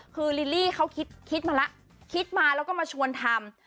คือลิลลี่เขาคิดมาแล้วคิดมาแล้วก็มาชวนทำ